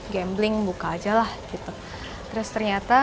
gambling buka ajalah gitu terus ternyata